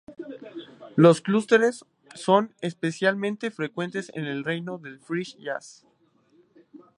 Los clústeres son especialmente frecuentes en el reino del free jazz.